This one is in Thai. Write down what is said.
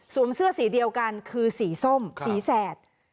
เสื้อสีเดียวกันคือสีส้มสีแสด